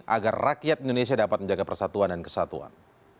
agar rakyat indonesia dapat menjaga persatuan dan kesatuan